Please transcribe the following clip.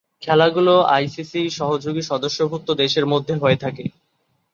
খেলাগুলো আইসিসি সহযোগী সদস্যভূক্ত দেশের মধ্যে হয়েছে।